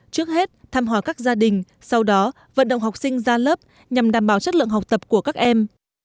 trước hết thăm hòa các gia đình sau đó vận động học sinh ra lớp nhằm đảm bảo chất lượng học tập của các em